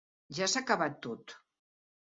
Ja s'ha acabat tot.